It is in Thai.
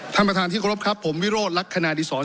ท่านประธานที่กรบครับผมวิโรธลักษณะดีศร